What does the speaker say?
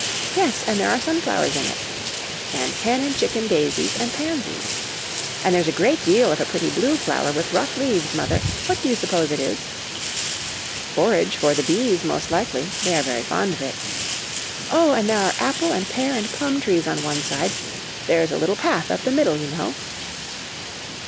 ' Yes, and there are sunflowers in it.' ' And hen and chicken daisies and pansies.' ' And there's a great deal of a pretty blue flower with rough leaves, mother; what do you suppose it is?' 'Borage for the bees, most likely ; they are very fond of it.' ' Oh, and there are apple and pear and plum trees on one side; there's a little path up the middle, you know.'